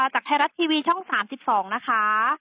จากไทยรัฐทีวีช่อง๓๒นะคะ